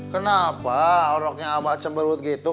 kenapa orangnya abah cemberut gitu